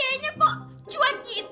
emang ada biasa dumba